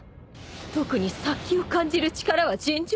特に殺気を感じる力は尋常じゃない